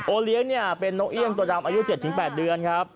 เลี้ยงเนี่ยเป็นนกเอี่ยงตัวดำอายุ๗๘เดือนครับ